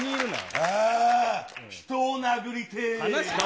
ああ、人を殴りてぇ。